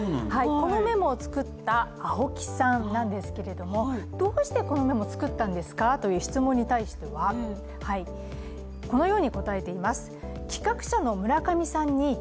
このメモを作った青木さんなんですがどうしてこのメモを作ったんですかという質問に対してはこのように答えています。